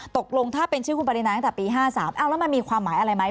ตกลงถ้าเป็นชื่อคุณปรินาตั้งแต่ปี๕๓แล้วมันมีความหมายอะไรไหม